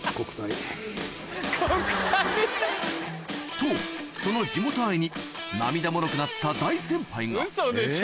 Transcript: とその地元愛に涙もろくなった大先輩がウソでしょ？